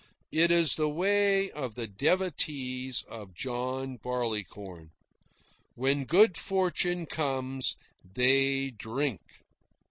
It is the way of the devotees of John Barleycorn. When good fortune comes, they drink.